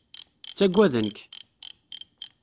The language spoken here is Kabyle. Ttagaden-k.